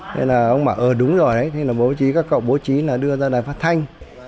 thế là ông bảo ơ đúng rồi đấy thì là bố trí các cậu bố trí là đưa ra đài phát thanh